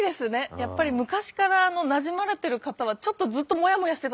やっぱり昔からなじまれてる方はちょっとずっとモヤモヤしてたと思うんですよ。